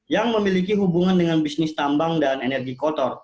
yang memiliki hubungan dengan bisnis tambang dan energi kotor